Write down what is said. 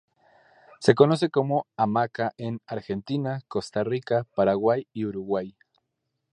Se conoce como hamaca en Argentina, Costa Rica, Paraguay y Uruguay.